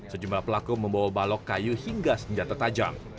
sejumlah pelaku membawa balok kayu hingga senjata tajam